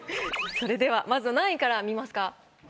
それではまずは何位から見ますか？